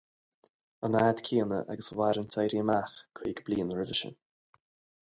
An fhad céanna agus a mhair an tÉirí Amach caoga bliain roimhe sin.